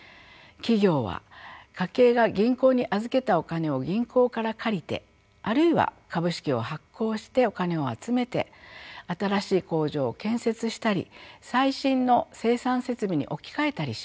企業は家計が銀行に預けたお金を銀行から借りてあるいは株式を発行してお金を集めて新しい工場を建設したり最新の生産設備に置き換えたりします。